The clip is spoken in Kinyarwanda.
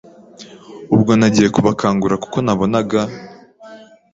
ubwo nagiye kubakangura kuko nabonaga